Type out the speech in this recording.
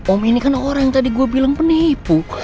om ini kan orang yang tadi gue bilang penipu